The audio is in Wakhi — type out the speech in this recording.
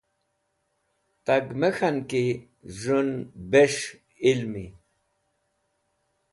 Tag me k̃han ki z̃hũn bes̃h ilm.